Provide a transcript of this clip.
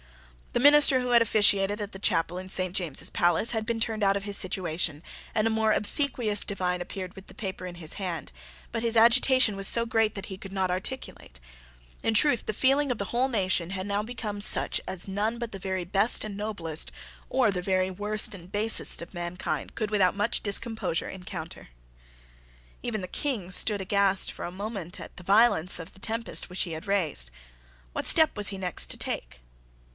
The minister who had officiated at the chapel in Saint James's Palace had been turned out of his situation, and a more obsequious divine appeared with the paper in his hand: but his agitation was so great that he could not articulate. In truth the feeling of the whole nation had now become such as none but the very best and noblest, or the very worst and basest, of mankind could without much discomposure encounter. Even the King stood aghast for a moment at the violence of the tempest which he had raised. What step was he next to take?